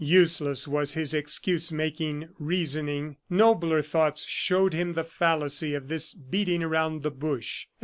Useless was his excuse making reasoning. Nobler thoughts showed him the fallacy of this beating around the bush.